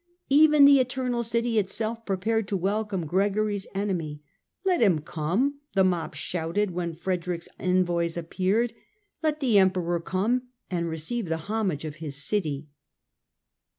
Even the Eternal City itself prepared to welcome Gregory's enemy. " Let him come," the mob shouted when Frederick's envoys appeared ; "let the Emperor come and receive the homage of his city."